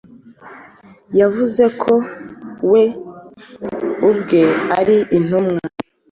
Yavuze ko we ubwe ari intumwa